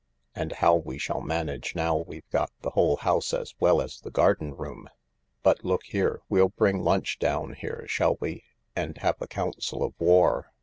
And how we shall manage now we've got the whole house as well as the garden room .,. But look here, we '11 bring lunch down here, shall we, and have a council of war